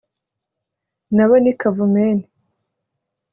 na bo ni kavumenti,